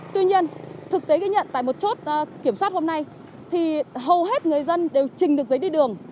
tuy nhiên thực tế ghi nhận tại một chốt kiểm soát hôm nay thì hầu hết người dân đều trình được giấy đi đường